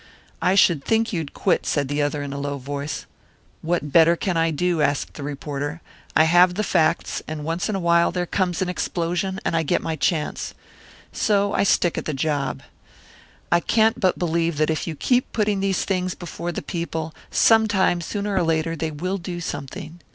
"I should think you'd quit," said the other, in a low voice. "What better can I do?" asked the reporter. "I have the facts; and once in a while there comes an explosion, and I get my chance. So I stick at the job. I can't but believe that if you keep putting these things before the people, sometime, sooner or later, they will do something.